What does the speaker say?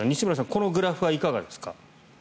このグラフはいかがですか。